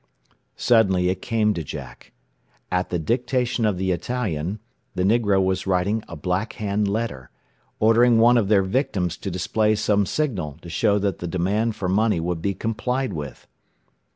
Suddenly it came to Jack. At the dictation of the Italian, the negro was writing a "Black Hand" letter ordering one of their victims to display some signal to show that the demand for money would be complied with!